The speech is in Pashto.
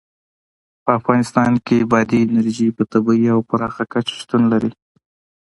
په افغانستان کې بادي انرژي په طبیعي او پراخه کچه شتون لري.